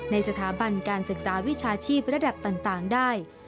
ในสถาบันการศึกษาวิชาชีพระดับต่างได้